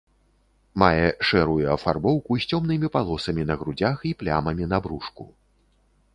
Мае шэрую афарбоўку з цёмнымі палосамі на грудзях і плямамі на брушку.